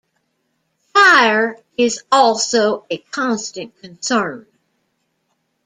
Fire is also a constant concern.